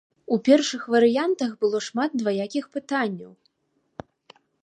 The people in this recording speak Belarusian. У першых варыянтах было шмат дваякіх пытанняў.